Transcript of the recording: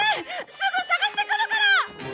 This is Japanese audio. すぐ捜してくるから！